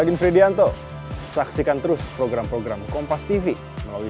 adin fredianto saksikan terus program program kompas tv melalui